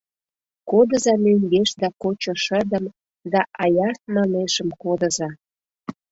Кодыза мӧҥгешда кочо шыдым Да аяр манешым кодыза.